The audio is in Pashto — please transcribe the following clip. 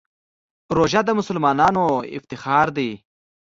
روژه د مسلمانانو افتخار دی.